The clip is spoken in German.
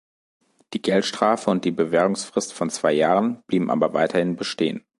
Die Geldstrafe und die Bewährungsfrist von zwei Jahren blieben aber weiterhin bestehen.